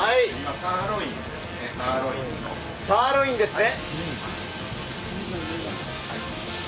サーロインですね。